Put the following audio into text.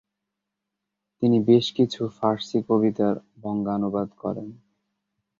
তিনি বেশ কিছু ফার্সি কবিতার বঙ্গানুবাদ করেন।